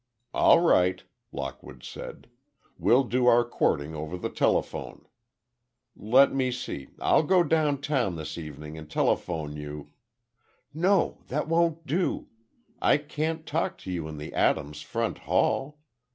"All right," Lockwood said, "We'll do our courting over the telephone. Let me see, I'll go down town this evening and telephone you—" "No, that won't do. I can't talk to you in the Adams front hall!